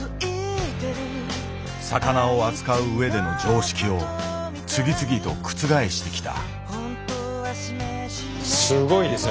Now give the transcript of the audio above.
魚を扱う上での常識を次々と覆してきた。